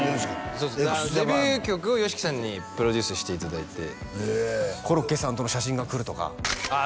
そうですデビュー曲をＹＯＳＨＩＫＩさんにプロデュースしていただいてへえ「コロッケさんとの写真が来る」とかああ